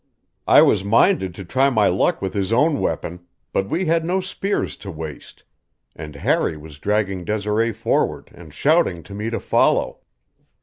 I was minded to try my luck with his own weapon, but we had no spears to waste, and Harry was dragging Desiree forward and shouting to me to follow.